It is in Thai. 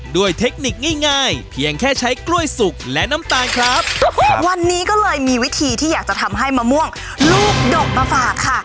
เทคนิคง่ายง่ายเพียงแค่ใช้กล้วยสุกและน้ำตาลครับวันนี้ก็เลยมีวิธีที่อยากจะทำให้มะม่วงลูกดกมาฝากค่ะ